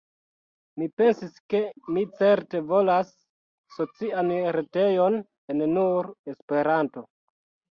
Mi pensis ke mi certe volas socian retejon en nur Esperanto.